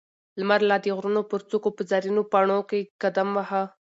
لمر لا د غرونو پر څوکو په زرينو پڼو کې قدم واهه.